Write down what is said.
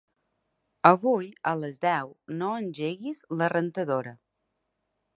Avui a les deu no engeguis la rentadora.